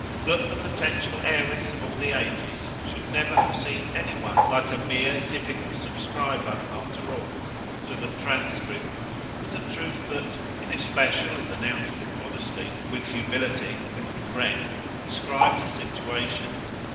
That the potential heiress of all the ages should never have seen any one like a mere typical subscriber, after all, to the Transcript was a truth that in especial as announced with modesty, with humility, with regret described a situation.